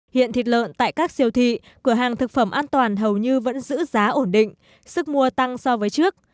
hiện thịt lợn tại các siêu thị cửa hàng thực phẩm an toàn hầu như vẫn giữ giá ổn định sức mua tăng so với trước